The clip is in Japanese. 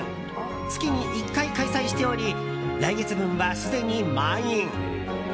月に１回開催しており来月分はすでに満員。